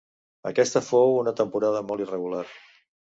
Aquesta fou una temporada molt irregular.